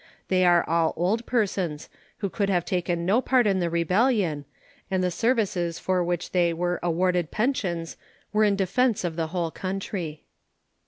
They are all old persons, who could have taken no part in the rebellion, and the services for which they were awarded pensions were in defense of the whole country.